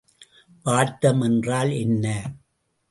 வாட்டம் என்றால் என்ன?